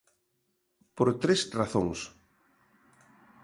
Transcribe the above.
Por tres razóns.